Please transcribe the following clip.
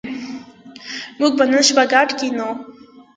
موږ به نن شپه ګډ کېنو